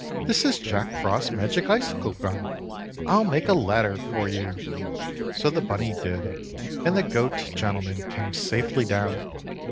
"This is Jack Frost's magic icicle gun. I'll make a ladder for you!" So the bunny did, and the goat gentleman came safely down.